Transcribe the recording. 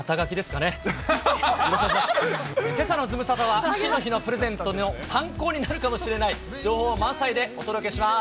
けさのズムサタは父の日のプレゼントの参考になるかもしれない情報満載でお届けします。